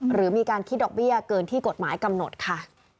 หรือมีการคิดดอกเบี้ยเกินที่กฎหมายกำหนดค่ะ